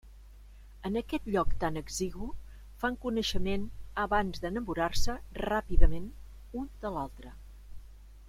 En aquest lloc tan exigu, fan coneixement abans d'enamorar-se, ràpidament, un de l'altre.